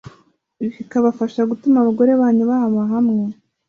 bikabafasha gutuma abagore banyu bahama hamwe